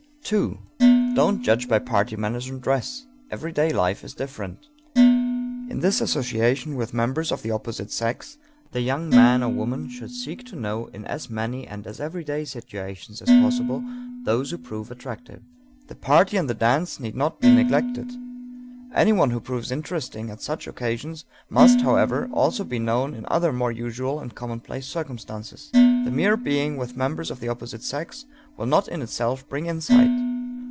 2. Don't judge by party manners and dress; everyday life is different. In this association with members of the opposite sex, the young man or woman should seek to know, in as many and as everyday situations as possible, those who prove attractive. The party and the dance need not be neglected. Anyone who proves interesting at such occasions must, however, also be known in other more usual and commonplace circumstances. The mere being with members of the opposite sex will not in itself bring insight.